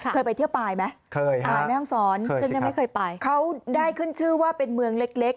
เคยไปเที่ยวปายมั้ยแม่ห้องสอนชั้นยังไม่เคยไปก็ได้คืนชื่อว่าเป็นเมืองเล็ก